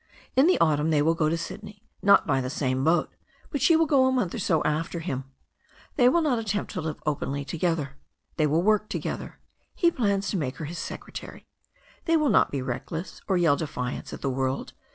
In the autumn they will go to Syd ney, not by the same boat, but she will go a month or so after him. They will not attempt to live openly together. They will work together. He plans to make her his secre tary. They will not be reckless, or yell defiance at the world.